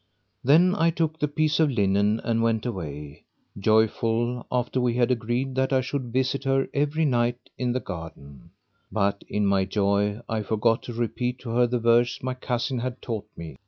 Then I took the piece of linen and went away, joyful, after we had agreed that I should visit her every night in the garden; but in my joy I forgot to repeat to her the verse my cousin had taught me.